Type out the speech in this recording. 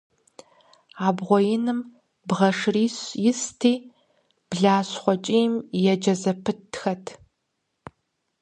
Абгъуэ иным бгъэ шырищ исти, блащхъуэ кӀийм еджэ зэпытхэт.